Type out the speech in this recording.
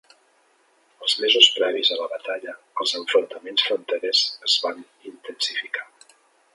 Els mesos previs a la batalla, els enfrontaments fronterers es van intensificar.